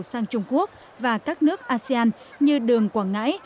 sang trung quốc và các nước asean như đường quảng ngãi